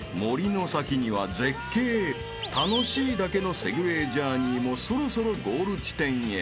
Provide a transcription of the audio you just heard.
［楽しいだけのセグウェイジャーニーもそろそろゴール地点へ］